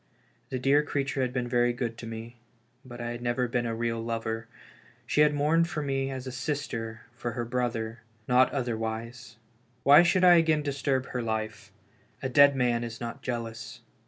The dear creature had been very good to me, but I had never been a real lover ; she had mourned for me as a sister for her brother, not other wise ! Why should I again disturb her life ? A dead man is not jealous.